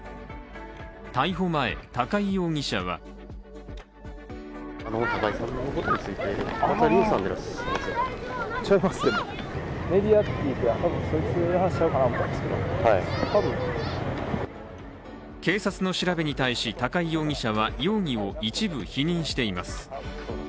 逮捕前、高井容疑者は警察の調べに対し、高井容疑者は容疑を一部否認しています。